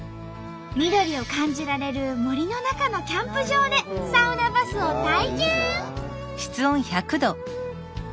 緑を感じられる森の中のキャンプ場でサウナバスを体験！